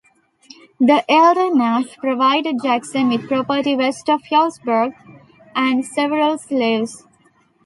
The elder Nash provided Jackson with property west of Hillsborough, and several slaves.